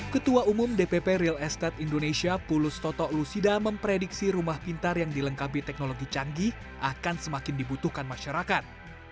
ketua umum dpp real estate indonesia pulus toto lusida memprediksi rumah pintar yang dilengkapi teknologi canggih akan semakin dibutuhkan masyarakat